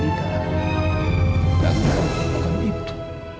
dan kamu juga akan lakukan itu